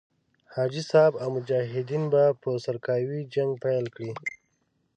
حاجي صاحب او مجاهدین به په سرکاوي جنګ پيل کړي.